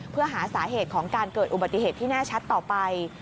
เพื่อหาสาเหตุของการเกิดอุบัติเหตุที่แน่ชัดต่อไป